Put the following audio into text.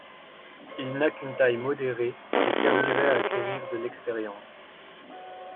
Il n'a qu'une taille modérée et servirait à acquérir de l'expérience.